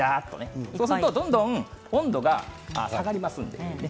そうするとどんどん温度が下がります。